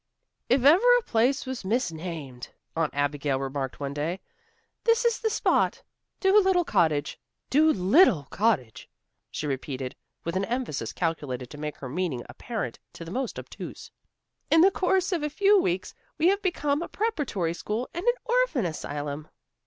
"If ever a place was misnamed," Aunt Abigail remarked one day, "this is the spot. Dolittle Cottage. Do little Cottage," she repeated, with an emphasis calculated to make her meaning apparent to the most obtuse. "In the course of a few weeks we have become a preparatory school and an orphan asylum."